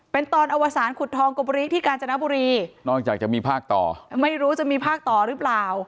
เป็นตอนอวสารขุดทองกบบุรีที่กาญจนบุรีนอกจากจะมีภาคต่อไม่รู้จะมีภาคต่อหรือเปล่า